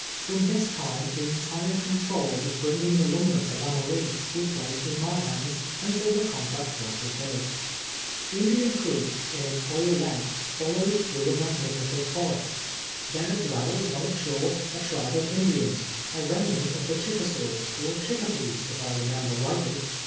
From this time the entire control of bringing the lumber to Lamourie was placed in my hands until the contract was fulfilled. 100 TWELVE YEAK5 A SLAVE. Indian Crock, in its wliole Icngtli, flows tlirougli a magnificent lun.st. Tlicre dwells on its shore a tribe of Indians, a remnant of the Chickasaws or Chick opees, if I rememher rightly.